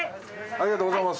ありがとうございます。